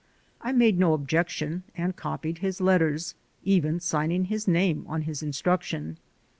I made no objection and copied his letters, even signing his name on his instruction.